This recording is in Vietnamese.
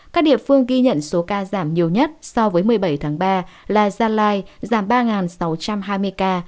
các địa phương ghi nhận số ca giảm nhiều nhất so với một mươi bảy tháng ba là gia lai giảm ba sáu trăm hai mươi ca